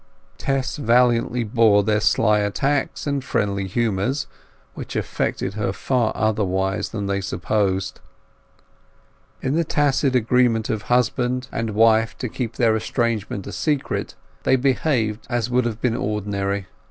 Tess valiantly bore their sly attacks and friendly humours, which affected her far otherwise than they supposed. In the tacit agreement of husband and wife to keep their estrangement a secret they behaved as would have been ordinary.